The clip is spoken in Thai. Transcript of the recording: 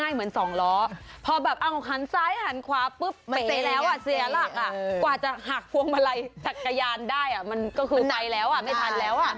เห้อแล้วอ่ะเสียหลักอ่ะกว่าจะหักพวงมาลัยสักกระยานได้อ่ะมันก็คือไปแล้วอ่ะไม่ทันแล้วอ่ะ